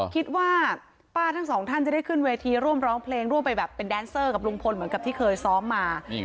คิดว่าป้าทั้งสองท่านจะได้ขึ้นเวทีร่วมร้องเพลงร่วมไปแบบเป็นแดนเซอร์กับลุงพลเหมือนกับที่เคยซ้อมมา